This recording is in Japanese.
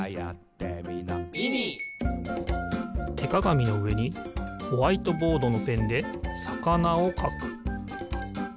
てかがみのうえにホワイトボードのペンでさかなをかく。